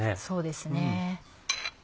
そうですね。